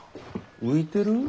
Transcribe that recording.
浮いてる？